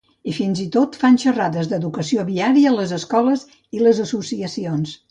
I fins i tot fan xerrades d'educació viària a les escoles i les associacions.